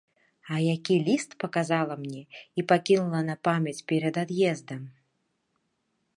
А які ліст паказала мне і пакінула на памяць перад ад'ездам!